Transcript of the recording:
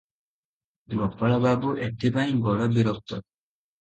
ଗୋପାଳବାବୁ ଏଥିପାଇଁ ବଡ଼ ବିରକ୍ତ ।